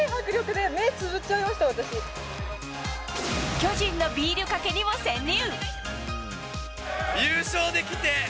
巨人のビールかけにも潜入。